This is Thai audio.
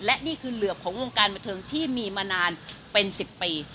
และอยู่ในเหลือกองค์การมาเทิงที่มีมานานเป็นสิบปี